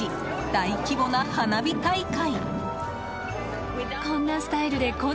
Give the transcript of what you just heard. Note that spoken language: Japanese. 大規模な花火大会！